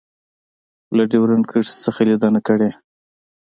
له ډیورنډ کرښې څخه لیدنه کړې